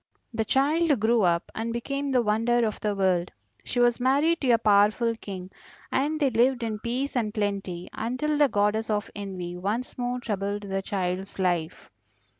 "The child grew up and became the wonder of the world. She was married to a powerful King, and they lived in peace and plenty until the Goddess of Envy once more troubled the child's life.